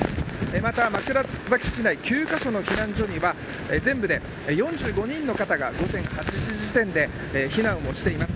また枕崎市内９カ所の避難所には全部で４５人の方が午前８時時点で避難しています。